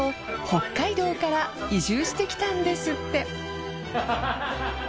北海道から移住してきたんですって